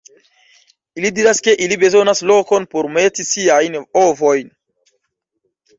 Ili diras ke ili bezonas lokon por meti siajn ovojn.